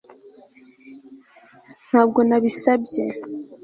ntabwo nabisabye